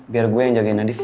biar gue yang jagain hadivi